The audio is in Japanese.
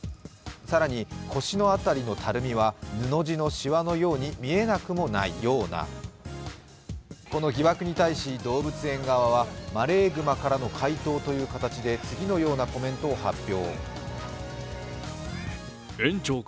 更に腰の辺りのたるみは布地のしわのように見えなくもないようなこの疑惑に対し、動物園側はマレーグマからの回答という形で次のようなコメントを発表。